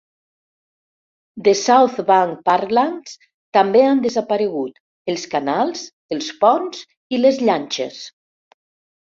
De South Bank Parklands també han desaparegut els canals, el ponts i les llanxes.